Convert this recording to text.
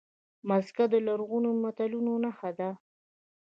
مځکه د لرغونو ملتونو نښه ده.